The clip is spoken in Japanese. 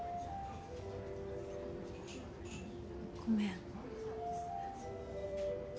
ごめん。